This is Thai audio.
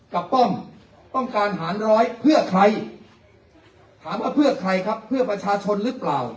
ป้อมต้องการหารร้อยเพื่อใครถามว่าเพื่อใครครับเพื่อประชาชนหรือเปล่า